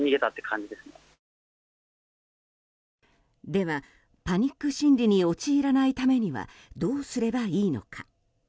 では、パニック心理に陥らないためにはどうすればいいのか。